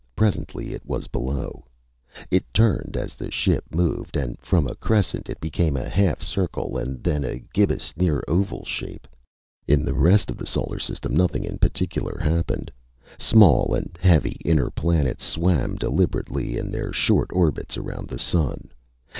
Presently it was below. It turned as the skip moved, and from a crescent it became a half circle and then a gibbous near oval shape. In the rest of the solar system nothing in particular happened. Small and heavy inner planets swam deliberately in their short orbits around the sun.